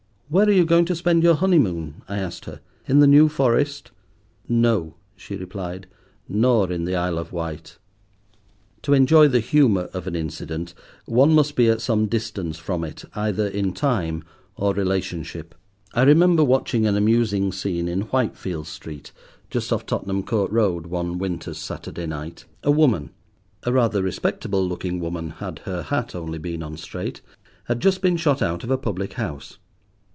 "Where are you going to spend your honeymoon?" I asked her; "in the New Forest?" "No," she replied; "nor in the Isle of Wight." To enjoy the humour of an incident one must be at some distance from it either in time or relationship. I remember watching an amusing scene in Whitefield Street, just off Tottenham Court Road, one winter's Saturday night. A woman—a rather respectable looking woman, had her hat only been on straight—had just been shot out of a public house.